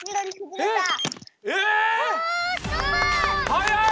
はやい！